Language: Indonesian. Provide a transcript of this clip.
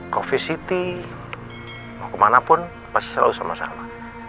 coffee city mau ke mana pun pasti selalu sama sama